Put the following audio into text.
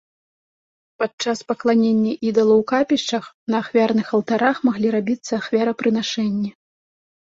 Падчас пакланення ідалу у капішчах, на ахвярных алтарах маглі рабіцца ахвярапрынашэнні.